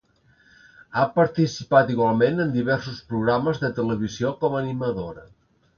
Ha participat igualment en diversos programes de televisió com a animadora.